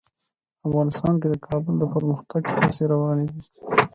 افغانستان کې د کابل د پرمختګ هڅې روانې دي.